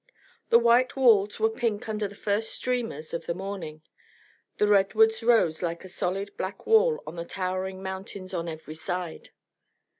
The white walls were pink under the first streamers of the morning. The redwoods rose like a solid black wall on the towering mountains on every side.